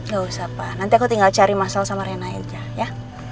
gak usah pak nanti aku tinggal cari mas al sama riana aja ya